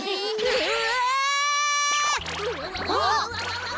うわ！